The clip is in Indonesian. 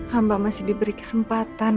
hamba masih diberi kesempatan